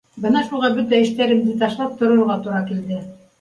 — Бына шуға бөтә эштәремде ташлап торорға тура килде